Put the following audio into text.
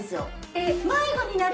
えっ。